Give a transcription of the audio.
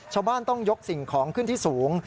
ชาวบ้านต้องยกสิ่งของขึ้นที่สูง